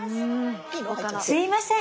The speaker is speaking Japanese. すいません。